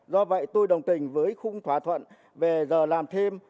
do vậy tôi đồng tình với khung thỏa thuận về giờ làm thêm